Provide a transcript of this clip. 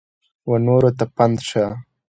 ونورو ته پند شه !